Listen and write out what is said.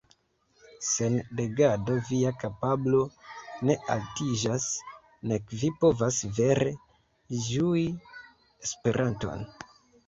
Sen legado via kapablo ne altiĝas, nek vi povas vere ĝui Esperanton.